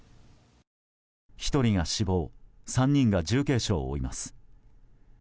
１人が死亡３人が重軽傷を負います。